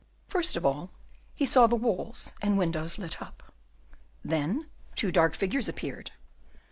First of all he saw the walls and windows lit up. Then two dark figures appeared.